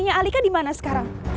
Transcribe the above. tanya alika dimana sekarang